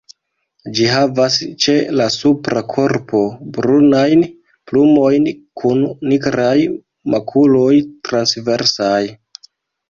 Ĝi havas ĉe la supra korpo brunajn plumojn kun nigraj makuloj transversaj.